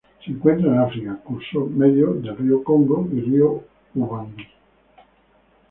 Se encuentran en África: curso medio del río Congo y río Ubangui.